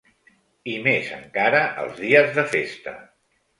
I més encara els dies de festa.